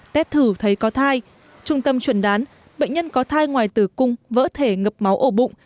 tet thử thấy có thai trung tâm chuẩn đoán bệnh nhân có thai ngoài tử cung vỡ thể ngập máu ổ bụng